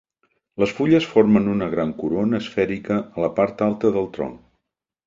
Les fulles formen una gran corona esfèrica a la part alta del tronc.